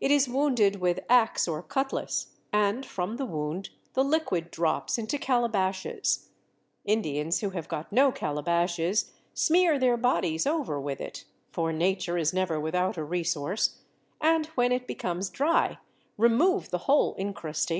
It is wounded with axe or cutlass, and from the wound the liquid drops into calabashes: Indians who have got no calabashes smear their bodies over with it (for nature is never without a resource), and when it becomes dry remove the whole incrustation."